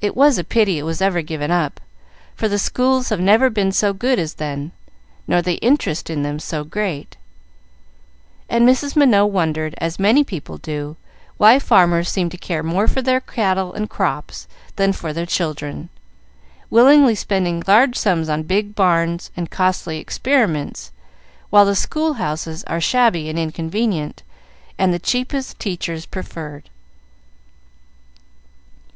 It was a pity it was ever given up, for the schools have never been so good as then, nor the interest in them so great;" and Mrs. Minot wondered, as many people do, why farmers seem to care more for their cattle and crops than for their children, willingly spending large sums on big barns and costly experiments, while the school houses are shabby and inconvenient, and the cheapest teachers preferred.